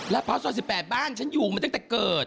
ราดเผาซอย๑๘บ้านฉันอยู่มาตั้งแต่เกิด